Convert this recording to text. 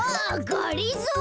がりぞー。